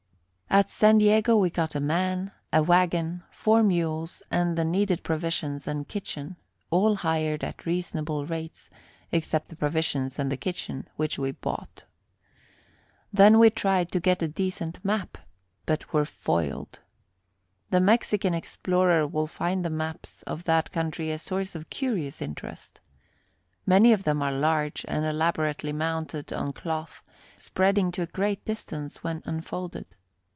At San Diego we got a man, a wagon, four mules and the needed provisions and kitchen all hired at reasonable rates, except the provisions and kitchen, which we bought. Then we tried to get a decent map, but were foiled. The Mexican explorer will find the maps of that country a source of curious interest. Many of them are large and elaborately mounted on cloth, spreading to a great distance when unfolded.